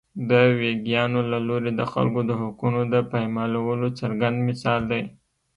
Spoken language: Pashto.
د ویګیانو له لوري د خلکو د حقونو د پایمالولو څرګند مثال دی.